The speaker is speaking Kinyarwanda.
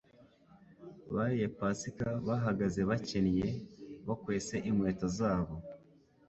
bariye Pasika bahagaze bakennye, bakwese inkweto zabo,